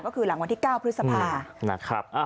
ก็คือหลังวันที่๙พฤษภา